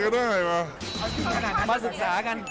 มาศึกษากัน